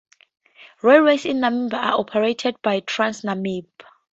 Railways in Namibia are operated by TransNamib.